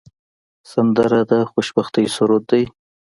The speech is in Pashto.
سندره د خوشبختۍ سرود دی